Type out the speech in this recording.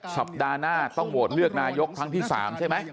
สัปดาห์หน้าต้องโหวตเลือกนายกครั้งที่๓ใช่ไหม